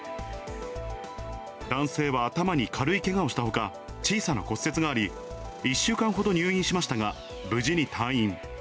男性は頭に軽いけがをしたほか、小さな骨折があり、１週間ほど入院しましたが無事に退院。